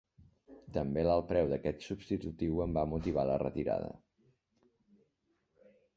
També l'alt preu d'aquest substitutiu en va motivar la retirada.